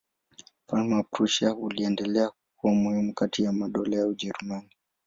Ufalme wa Prussia uliendelea kuwa muhimu kati ya madola ya Ujerumani.